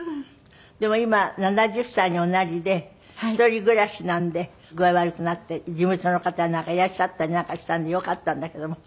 でも今７０歳におなりで一人暮らしなんで具合悪くなって事務所の方やなんかいらっしゃったりなんかしたんでよかったんだけども。